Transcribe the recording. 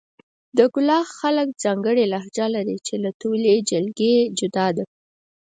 د کلاخ خلک ځانګړې لهجه لري، چې له ټولې جلګې جدا ده.